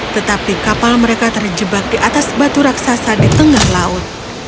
tetapi kapal mereka terjebak di atas batu raksasa di tengah laut